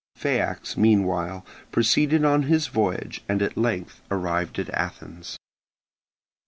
Phaeax meanwhile proceeded on his voyage, and at length arrived at Athens.